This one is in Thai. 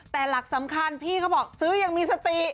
แต่หลักสำคัญพี่เขาบอกซื้ออย่างมีสติ